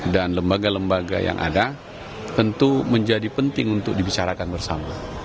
dan lembaga lembaga yang ada tentu menjadi penting untuk dibicarakan bersama